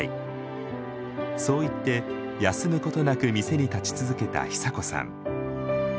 そう言って休むことなく店に立ち続けた久子さん。